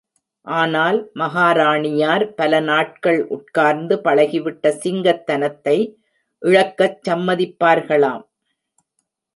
ஆனால் மகாராணியார் பல நாட்கள் உட்கார்ந்து பழகிவிட்ட சிங்கத்தனத்தை இழக்கச் சம்மதிப்பார்களாம்.